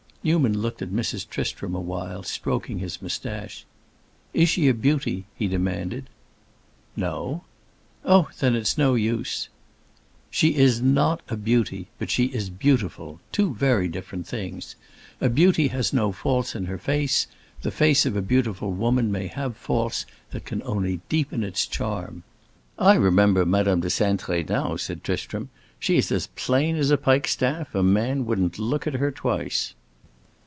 Newman looked at Mrs. Tristram a while, stroking his moustache. "Is she a beauty?" he demanded. "No." "Oh, then it's no use—" "She is not a beauty, but she is beautiful, two very different things. A beauty has no faults in her face, the face of a beautiful woman may have faults that only deepen its charm." "I remember Madame de Cintré, now," said Tristram. "She is as plain as a pike staff. A man wouldn't look at her twice."